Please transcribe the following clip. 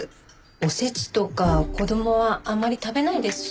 おせちとか子供はあんまり食べないですし。